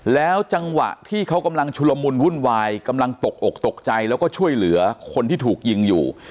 แล้วจังหวะที่เขากำลังชุลมุนวุ่นวายกำลังตกอกตกใจแล้วก็ช่วยเหลือคนที่ถูกยิงอยู่